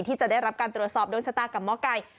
ที่จะได้รับการตรวจสอบโดนชะตากับหมอไก่